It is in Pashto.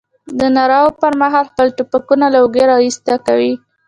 د نارو پر مهال خپل ټوپکونه له اوږې را ایسته کوي.